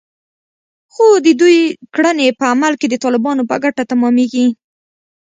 خو د دوی کړنې په عمل کې د طالبانو په ګټه تمامېږي